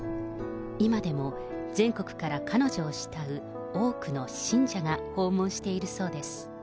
今でも全国から彼女を慕う多くの信者が訪問しているそうです。